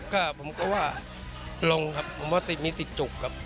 ก็ผมก็ว่าลงครับผมว่าติดมีติดจุกครับ